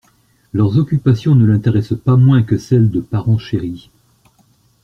Leurs occupations ne l'intéressent pas moins que celles de parents chéris.